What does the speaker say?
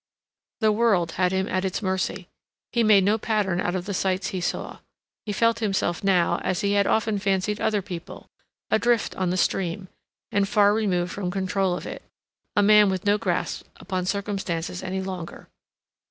The world had him at its mercy. He made no pattern out of the sights he saw. He felt himself now, as he had often fancied other people, adrift on the stream, and far removed from control of it, a man with no grasp upon circumstances any longer.